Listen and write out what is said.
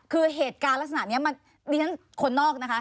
คือเหตุการณ์ลักษณะนี้มันนี่ซักคนนอก